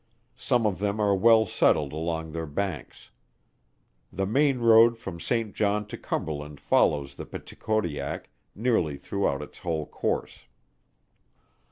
Some of them are well settled along their banks. The main road from Saint John to Cumberland follows the Peticodiac nearly throughout its whole course.